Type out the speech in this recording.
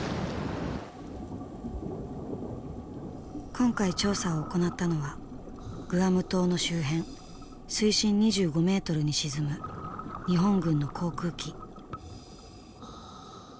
今回調査を行ったのはグアム島の周辺水深２５メートルに沈む日本軍の航空機。